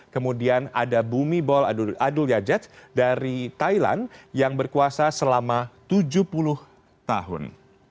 kemudian ada bumi bol adul yajetz dari thailand yang berkuasa selama tujuh puluh tahun